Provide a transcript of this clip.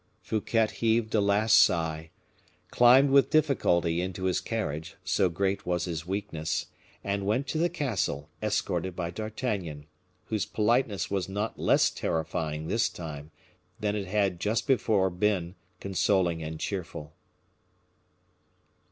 Fouquet heaved a last sigh, climbed with difficulty into his carriage, so great was his weakness, and went to the castle, escorted by D'Artagnan, whose politeness was not less terrifying this time than it had just before been consoling and cheerful.